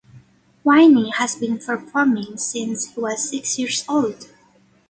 Wayne has been performing since he was six years old.